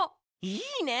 いいね！